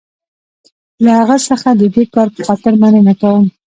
له هغه څخه د دې کار په خاطر مننه کوم.